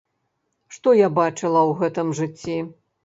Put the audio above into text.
Што я бачыла ў гэтым жыцці?